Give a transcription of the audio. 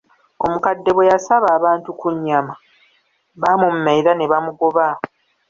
Omukadde bwe yasaba abantu ku nnyama, baamumma era ne bamugoba.